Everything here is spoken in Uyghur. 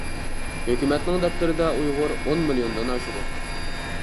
ھۆكۈمەتنىڭ دەپتىرىدە ئۇيغۇر ئون مىليوندىن ئاشىدۇ.